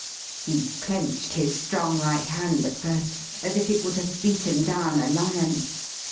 He clenched his strong right hand at first, as if it would have beaten down a lion.